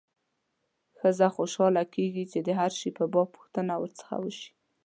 ښځه خوشاله کېږي چې د هر شي په باب پوښتنه ورڅخه وشي.